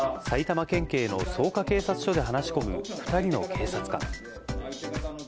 埼玉県警の草加警察署で話し込む、２人の警察官。